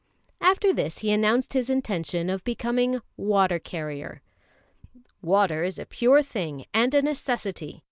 After this he announced his intention of becoming a water carrier. "Water is a pure thing and a necessity.